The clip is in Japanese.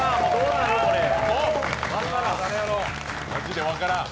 マジで分からん。